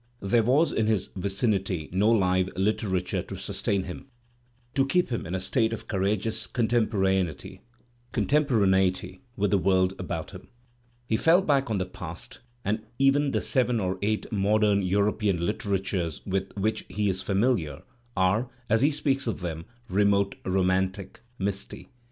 There was in his vicinity no live A literature to sustain him, to keep him in a state of courageous contemporaneity with the world about him. He fell back on the past; and even the seven or eight modem European literatures with which he is familiar are, as he speaks of them, remote, romantic, misty.